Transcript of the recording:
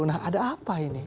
nah ada apa ini